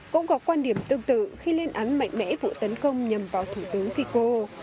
cũng có quan điểm tương tự khi lên án mạnh mẽ vụ tấn công nhằm vào thủ tướng fico